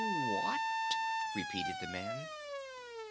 "What?" repeated the man.